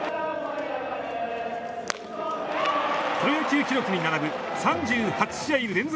プロ野球記録に並ぶ３８試合連続